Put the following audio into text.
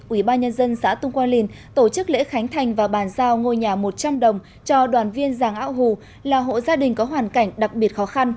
ủy ban nhân dân xã tung qua lìn tổ chức lễ khánh thành và bàn giao ngôi nhà một trăm linh đồng cho đoàn viên giàng ao hồ là hộ gia đình có hoàn cảnh đặc biệt khó khăn